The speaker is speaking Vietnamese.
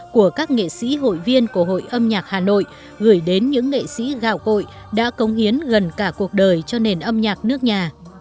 của các nghệ sĩ hội viên của hội âm nhạc hà nội gửi đến những nghệ sĩ gạo cội đã cống hiến gần cả cuộc đời cho nền âm nhạc nước nhà